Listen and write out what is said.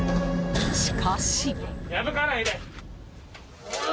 しかし。